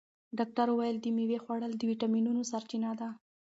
ډاکتر وویل چې د مېوې خوړل د ویټامینونو سرچینه ده.